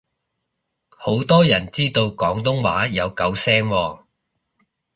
好多人知道廣東話有九聲喎